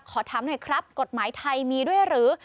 ขอถามหน่อยครับกฎหมายไทยมีด้วยหรือ